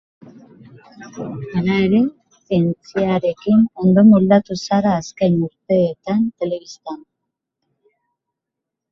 Hala ere, zientziarekin ondo moldatu zara azken urteetan telebistan.